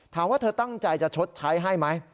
ถามว่าเธอตั้งใจจะชดใช้ให้ไหม